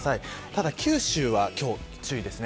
ただ、九州は今日注意です。